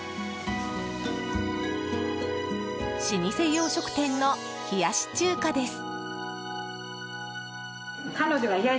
老舗洋食屋の冷やし中華です。